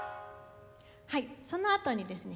そのあとにですね